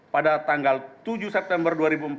pada tanggal tujuh september dua ribu empat belas